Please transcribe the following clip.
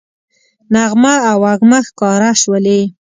نغمه او وږمه ښکاره شولې